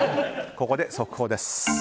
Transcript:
ここで速報です。